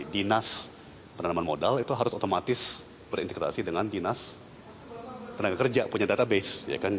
dinas penanaman modal itu harus otomatis berintegrasi dengan dinas tenaga kerja punya database